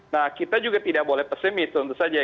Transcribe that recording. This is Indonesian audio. nah kita juga tidak boleh pesimis tentu saja